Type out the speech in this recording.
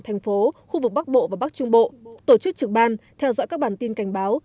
thành phố khu vực bắc bộ và bắc trung bộ tổ chức trực ban theo dõi các bản tin cảnh báo